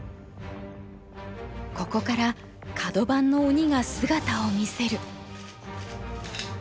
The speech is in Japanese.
ここからカド番の鬼が姿を見せる。